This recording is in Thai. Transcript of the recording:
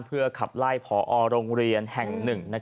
เพื่อขับไล่พอโรงเรียนแห่ง๑